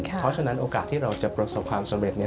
เพราะฉะนั้นโอกาสที่เราจะประสบความสำเร็จเนี่ย